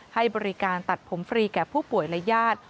ให้บริการตัดผมฟรีแก่ผู้ป่วยและญาติ